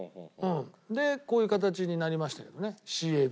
でこういう形になりましたけどねＣＡＢ。